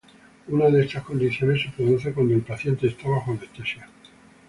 Una de estas condiciones se produce cuando el paciente está bajo anestesia.